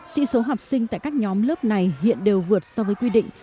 sĩ số học sinh tại các nhóm lớp này hiện đều vượt so với quy định